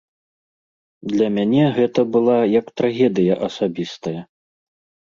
Для мяне гэта была як трагедыя асабістая.